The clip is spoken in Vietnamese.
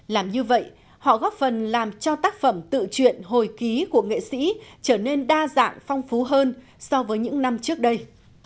làm như vậy họ góp phần làm cho tác phẩm tự truyện hồi ký của nghệ sĩ trở nên đa dạng phong phú hơn so với những năm trước đây